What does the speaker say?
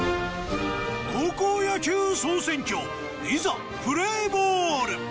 高校野球総選挙いざプレーボール！